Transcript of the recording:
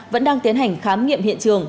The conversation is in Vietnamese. vẫn đang tiến hành khám nghiệm hiện trường